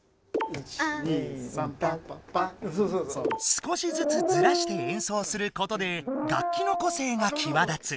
少しずつずらして演奏することで楽器の個性がきわ立つ。